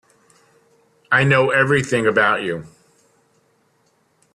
I know everything about you.